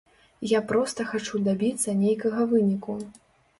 Я проста хачу дабіцца нейкага выніку.